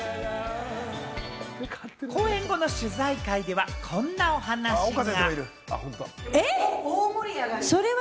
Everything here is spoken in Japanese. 公演後の取材会ではこんなお話が。